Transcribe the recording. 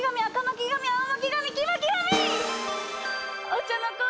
お茶の子